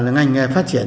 ngành nghề phát triển